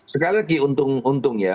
sekali lagi untung untung ya